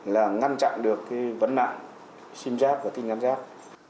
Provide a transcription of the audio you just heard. là ngăn chặn được vấn mạng sim jack và tin nhắn jack